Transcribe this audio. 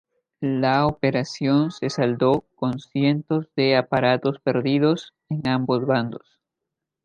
La operación se saldó con cientos de aparatos perdidos en ambos bandos.